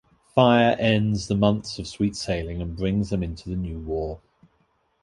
Fire ends the months of sweet sailing and brings them into the new war.